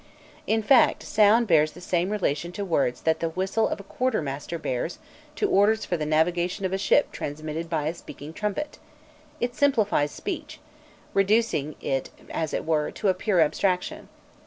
In fact, sound bears the same relation to words that the whistle of a quartermaster bears to orders for the navigation of a ship transmitted by a speaking trumpet; it simplifies speech, reducing it as it were to a pure abstraction.